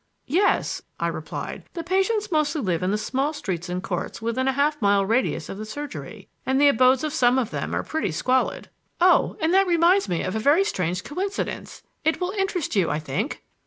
"Yes," I replied. "The patients mostly live in the small streets and courts within a half mile radius of the surgery, and the abodes of some of them are pretty squalid. Oh! and that reminds me of a very strange coincidence. It will interest you, I think."